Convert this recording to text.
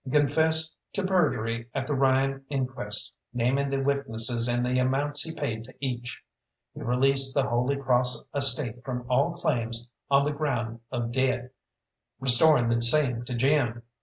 He confessed to perjury at the Ryan inquest, naming the witnesses and the amounts he paid to each. He released the Holy Cross estate from all claims on the ground of debt, restoring the same to Jim.